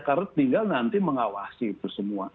karena tinggal nanti mengawasi itu semua